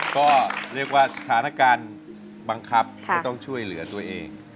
ก็เรียกว่าสถานการณ์บังคับให้ต้องช่วยเหลือตัวเอง